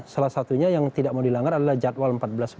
salah satunya yang tidak mau dilanggar adalah jadwal empat belas lima